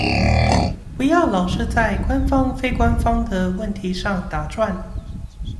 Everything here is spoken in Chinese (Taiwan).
不要老是在官方非官方的問題上打轉